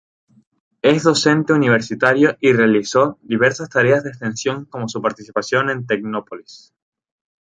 Es docente universitario y realizó diversas tareas de extensión como su participación en Tecnópolis.